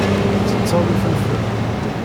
Tettetteḍ ifelfel?